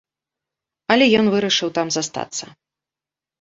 Але ён вырашыў там застацца.